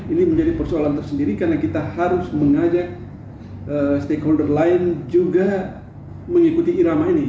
ini menjadi persoalan tersendiri karena kita harus mengajak stakeholder lain juga mengikuti irama ini